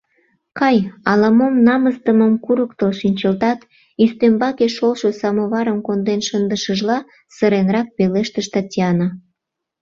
— Кай, ала-мом намысдымым курыктыл шинчылтат, — ӱстембаке шолшо самоварым конден шындышыжла, сыренрак пелештыш Татьяна.